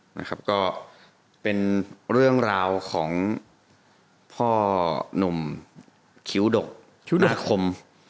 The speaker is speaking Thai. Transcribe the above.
นะครับก็เป็นเรื่องราวของพ่อหนุ่มคิ้วดกคิ้วหน้าคม